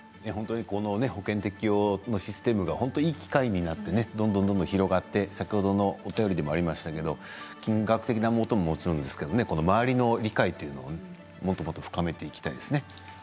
保険適用のシステムがいい機会になってどんどん広がって先ほどのお便りでもありましたけど金額的なことももちろんですけど周りの理解というのももっと深めていきたいですね。